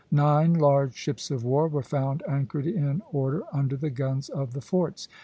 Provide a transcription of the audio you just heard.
Nine large ships of war were found anchored in order under the guns of the forts.